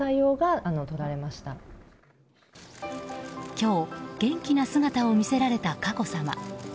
今日、元気な姿を見せた佳子さま。